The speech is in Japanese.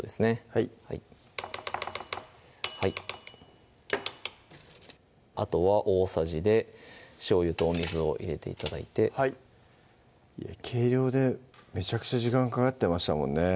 はいあとは大さじでしょうゆとお水を入れて頂いて計量でめちゃくちゃ時間かかってましたもんね